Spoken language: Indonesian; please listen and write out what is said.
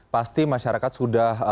pasti masyarakat sudah